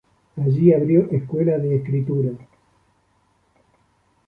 Allí abrió escuela de escritura.